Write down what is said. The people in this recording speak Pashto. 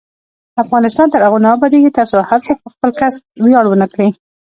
افغانستان تر هغو نه ابادیږي، ترڅو هر څوک په خپل کسب ویاړ ونه کړي.